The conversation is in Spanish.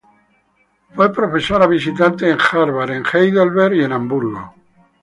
Fue profesora visitante en Harvard, en Heidelberg y en Hamburgo.